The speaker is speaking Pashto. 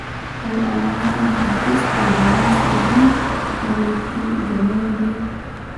او علامه محدِّث الباني صحيح ګڼلی دی .